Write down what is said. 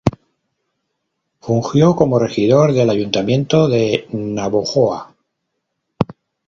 Fungió como regidor del Ayuntamiento de Navojoa.